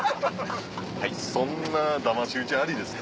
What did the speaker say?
そんなだまし討ちありですか？